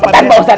maaf pak d